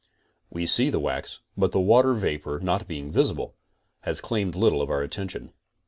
We see the wax, but the water vapor not being visible, has claimed little of our attention.